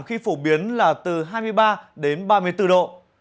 khi phổ biến là từ hai mươi ba đến ba mươi bốn độ